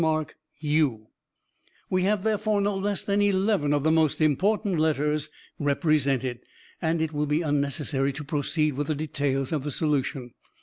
u "We have, therefore, no less than eleven of the most important letters represented, and it will be unnecessary to proceed with the details of the solution.